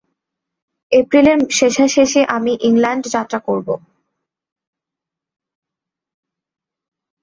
এপ্রিলের শেষাশেষি আমি ইংলণ্ড যাত্রা করব।